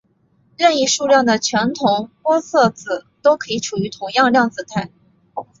任意数量的全同玻色子都可以处于同样量子态。